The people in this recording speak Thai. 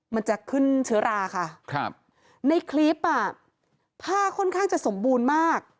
มันจะขึ้นเชื้อราค่ะครับในคลิปอ่ะผ้าค่อนข้างจะสมบูรณ์มาก